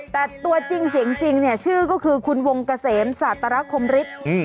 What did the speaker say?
แต่ตัวจริงเสียงจริงเนี่ยชื่อก็คือคุณวงเกษมศาตรคมฤทธิ์